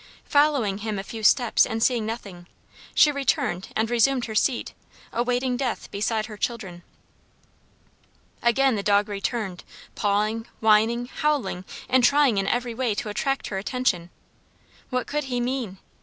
Following him a few steps and seeing nothing, she returned and resumed her seat, awaiting death beside her children. Again the dog returned, pawing, whining, howling, and trying in every way to attract her attention. What could he mean?